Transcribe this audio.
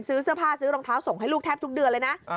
ซื้อเสื้อผ้าซื้อรองเท้าส่งให้ลูกแทบทุกเดือนเลยนะ